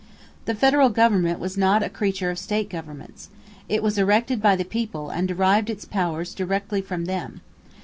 The federal government was not a creature of state governments. It was erected by the people and derived its powers directly from them.